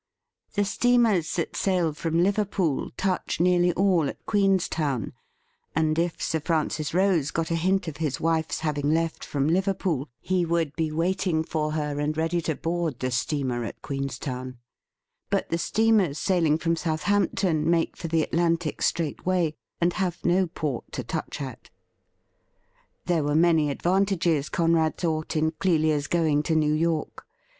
The steamers that sail from Liverpool touch nearly all at Queenstown, and if Sir Francis Rose got a hint of his wife's having left from Liverpool, he would be waiting for her and ready to board the steamer at Queens town ; but the steamers sailing from Southampton make for the Atlantic straightway, and have no port to touch at. There were many advantages, Conrad thought, in Clelia's going to New York.